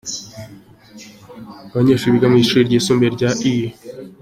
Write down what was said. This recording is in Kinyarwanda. Abanyeshuri biga mu ishuri ryisumbuye rya E.